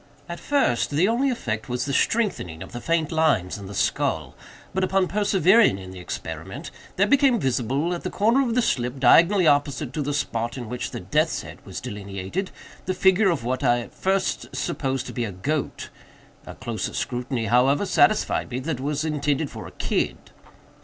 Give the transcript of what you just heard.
At first, the only effect was the strengthening of the faint lines in the skull; but, upon persevering in the experiment, there became visible, at the corner of the slip, diagonally opposite to the spot in which the death's head was delineated, the figure of what I at first supposed to be a goat. A closer scrutiny, however, satisfied me that it was intended for a kid."